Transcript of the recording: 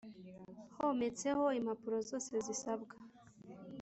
hometseho impapuro zose zisabwa